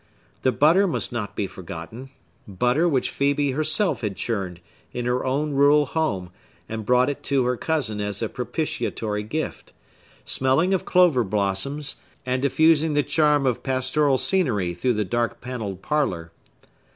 The butter must not be forgotten,—butter which Phœbe herself had churned, in her own rural home, and brought it to her cousin as a propitiatory gift,—smelling of clover blossoms, and diffusing the charm of pastoral scenery through the dark panelled parlor.